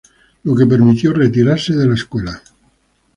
Lo que permitió retirarse de la escuela.